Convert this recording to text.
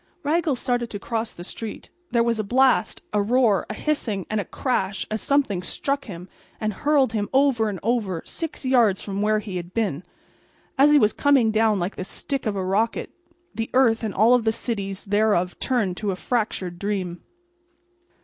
Raggles started to cross the street. There was a blast, a roar, a hissing and a crash as something struck him and hurled him over and over six yards from where he had been. As he was coming down like the stick of a rocket the earth and all the cities thereof turned to a fractured dream.